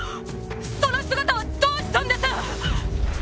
その姿はどうしたんです！？